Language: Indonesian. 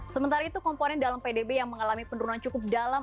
sementara itu komponen dalam pdb yang mengalami penurunan cukup dalam